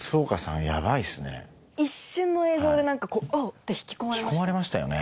一瞬の映像でおぉって引き込まれますね。